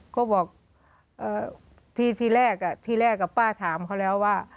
ก็บอกเอ่อที่ที่แรกอ่ะที่แรกกับป้าถามเขาแล้วว่า